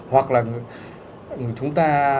hoặc là chúng ta